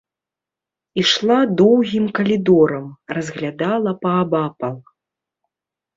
Ішла доўгім калідорам, разглядала паабапал.